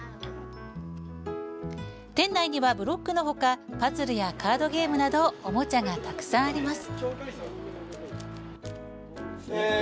店内にはブロックの他パズルやカードゲームなどおもちゃがたくさんあります。